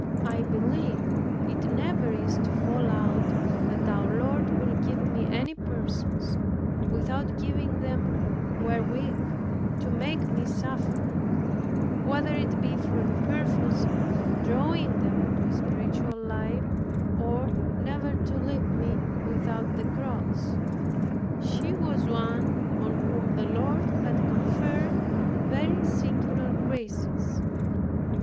I believe it never is to fall out, that our Lord will give me any persons without giving them wherewith to make me suffer, whether it be for the purpose of drawing them into a spiritual life, or never to leave me without the cross. She was one on whom the Lord had conferred very singular graces.